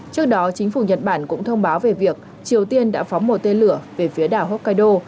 trước đó chính phủ nhật bản cũng thông báo về việc triều tiên đã phóng một tên lửa về phía đảo hokkaido